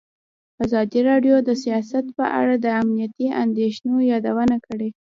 ازادي راډیو د سیاست په اړه د امنیتي اندېښنو یادونه کړې.